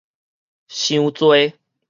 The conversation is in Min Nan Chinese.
傷濟